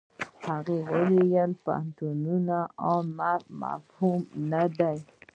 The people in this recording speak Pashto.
هغه وايي پوهنتون عام فهمه نه ده.